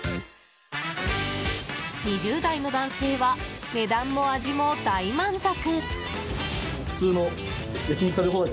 ２０代の男性は値段も味も大満足。